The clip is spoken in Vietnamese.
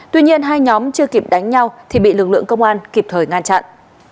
tuy nhiên hai nhóm chưa kịp đánh nhau thì bị lực lượng công an kịp thời ngăn chặn